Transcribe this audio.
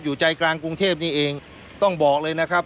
ใจกลางกรุงเทพนี่เองต้องบอกเลยนะครับ